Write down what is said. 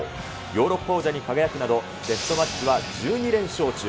ヨーロッパ王者に輝くなど、テストマッチは１２連勝中。